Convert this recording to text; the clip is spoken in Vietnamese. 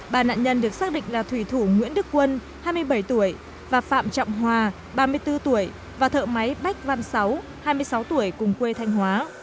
ba nạn nhân được xác định là thủy thủ nguyễn đức quân hai mươi bảy tuổi và phạm trọng hòa ba mươi bốn tuổi và thợ máy bách văn sáu hai mươi sáu tuổi cùng quê thanh hóa